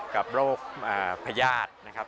กับโรคพญาตินะครับ